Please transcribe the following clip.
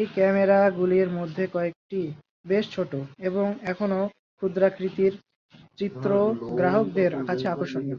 এই ক্যামেরাগুলির মধ্যে কয়েকটি বেশ ছোট এবং এখনও ক্ষুদ্রাকৃতির চিত্রগ্রাহকদের কাছে আকর্ষণীয়।